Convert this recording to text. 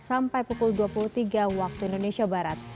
sampai pukul dua puluh tiga waktu indonesia barat